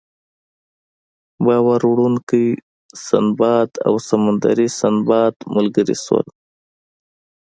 بار وړونکی سنباد او سمندري سنباد ملګري شول.